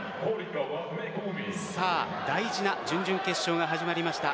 大事な準々決勝が始まりました。